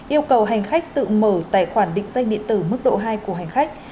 dựng mở tài khoản định danh điện tử mức độ hai của hành khách